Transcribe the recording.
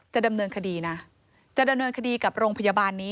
ดำเนินคดีนะจะดำเนินคดีกับโรงพยาบาลนี้